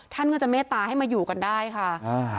ท่านก็จะเมตตาให้มาอยู่กันได้ค่ะอ่า